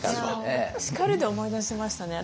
叱るで思い出しましたね。